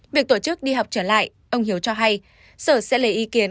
việc tổ chức đi học trở lại ông hiếu cho hay sở sẽ lấy ý kiến